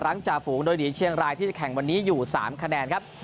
จ่าฝูงโดยหนีเชียงรายที่จะแข่งวันนี้อยู่๓คะแนนครับ